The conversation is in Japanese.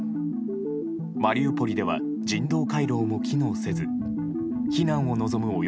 マリウポリでは人道回廊も機能せず避難を望む